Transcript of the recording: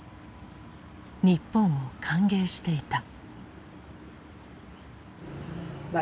日本を歓迎していた。